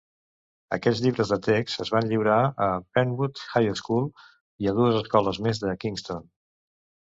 Aquests llibres de text es van lliurar a Penwood High School i a dues escoles més de Kingston.